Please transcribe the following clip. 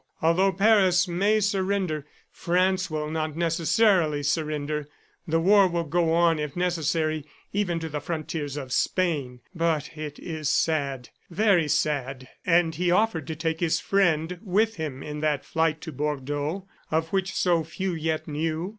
... Although Paris may surrender, France will not necessarily surrender. The war will go on if necessary even to the frontiers of Spain ... but it is sad ... very sad!" And he offered to take his friend with him in that flight to Bordeaux of which so few yet knew.